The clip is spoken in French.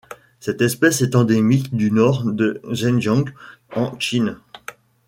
Cette espèce est endémique du Nord du Zhejiang en Chine.